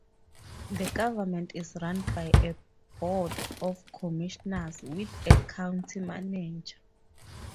The government is run by a board of commissioners with a county manager.